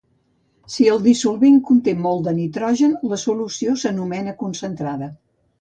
Si el dissolvent conté molt de nitrogen, la solució s'anomena concentrada.